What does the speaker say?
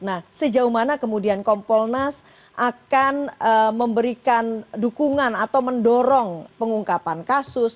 nah sejauh mana kemudian kompolnas akan memberikan dukungan atau mendorong pengungkapan kasus